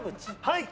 はい。